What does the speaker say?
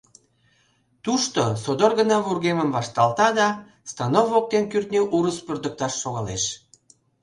Тушто, содор гына вургемым вашталта да, станок воктен кӱртньӧ урыс пӧрдыкташ шогалеш.